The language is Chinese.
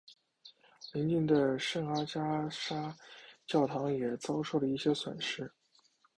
邻近的圣阿加莎教堂也遭受了一些损毁。